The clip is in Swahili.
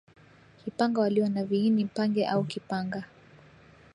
kipanga walio na viini pange au kipanga